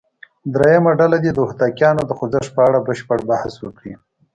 درېمه ډله دې د هوتکیانو د خوځښت په اړه بشپړ بحث وکړي.